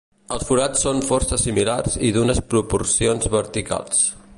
Els forats són força similars i d'unes proporcions verticals.